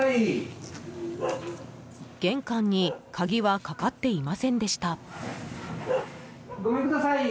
玄関に鍵はかかっていませんでした。